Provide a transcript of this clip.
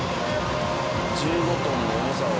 １５トンの重さを。